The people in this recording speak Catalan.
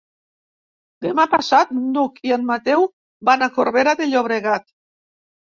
Demà passat n'Hug i en Mateu van a Corbera de Llobregat.